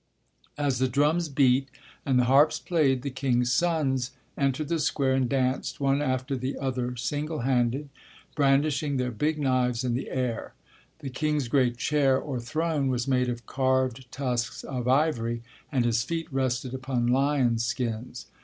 As the drums beat and the harps played the king's sons entered the square and danced one after the other single handed, brandishing their big knives in the air. The king's great chair, or throne, was made of carved tusks of ivory, and his feet rested upon lion skins.